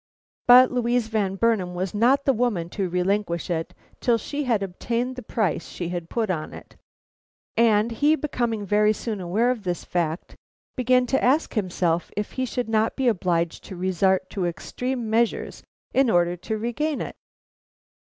But Louise Van Burnam was not the woman to relinquish it till she had obtained the price she had put on it, and he becoming very soon aware of this fact, began to ask himself if he should not be obliged to resort to extreme measures in order to regain it.